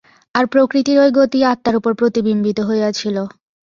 আর প্রকৃতির ঐ গতিই আত্মার উপর প্রতিবিম্বিত হইয়াছিল।